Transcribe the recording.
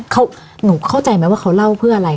เขาหนูเข้าใจไหมว่าเขาเล่าเพื่ออะไร